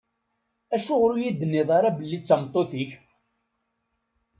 Acuɣer ur yi-d-tenniḍ ara belli d tameṭṭut-ik?